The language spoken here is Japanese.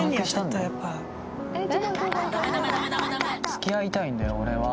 付き合いたいんだよ俺は。